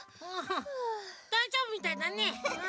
だいじょうぶみたいだね。